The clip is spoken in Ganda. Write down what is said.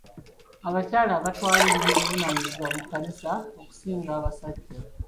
Abakyala batwala nnyo obuvunaanyizibwa mu kkanisa okusinga ku basajja.